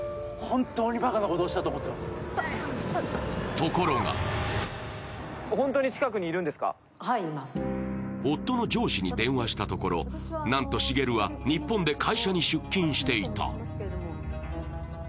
ところが夫の上司に電話したところ、なんと滋は日本で会社に出勤していた。